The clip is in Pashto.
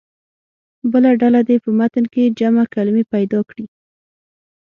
بله ډله دې په متن کې جمع کلمې پیدا کړي.